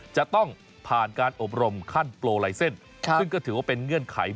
จะต้องผ่านการอบรมขั้นโปรไลเซ็นต์ซึ่งก็ถือว่าเป็นเงื่อนไข